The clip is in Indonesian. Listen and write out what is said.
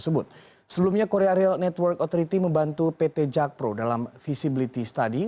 sebelumnya korea real network authority membantu pt jakpro dalam visibility study